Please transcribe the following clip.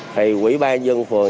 thì quỹ ban dân phường